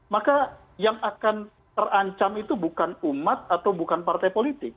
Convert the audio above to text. maka yang akan terancam itu bukan umat atau bukan partai politik